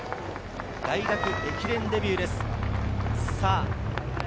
大学駅伝デビューです。